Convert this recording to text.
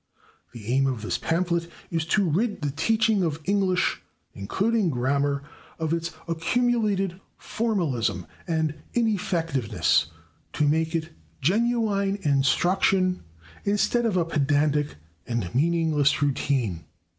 The aim of this pamphlet is to rid the teaching of English, including grammar, of its accumulated formalism and ineffectiveness to make it genuine instruction instead of a pedantic and meaningless routine.